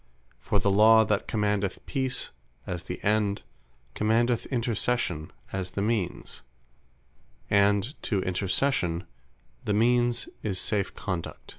For the Law that commandeth Peace, as the End, commandeth Intercession, as the Means; and to Intercession the Means is safe Conduct.